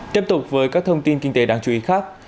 tiếp tục với các thông tin kinh tế đáng chú ý khác